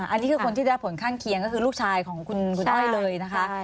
อันนี้คือคนที่ได้ผลข้างเคียงก็คือลูกชายของคุณอ้อยเลยนะคะ